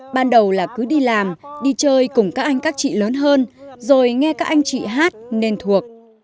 ban đầu là cứ đi làm đi chơi cùng các anh các chị lớn hơn rồi nghe các anh chị hát nên thuộc